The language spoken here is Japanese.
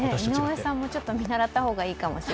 井上さんもちょっと見習った方がいいかもしれない。